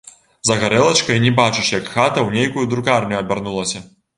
За гарэлачкай не бачыш, як хата ў нейкую друкарню абярнулася.